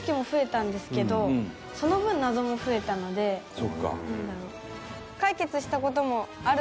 そうか。